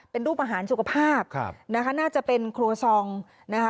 เป็นรูปอาหารสุขภาพนะคะน่าจะเป็นโครซองนะคะ